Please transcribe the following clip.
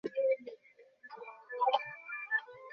কী জানি কেন, এর ফলে তার ওপরে আমার ঘূণাটুকু আরো বেড়ে গিয়েছিল।